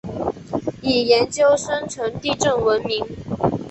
以研究深层地震闻名。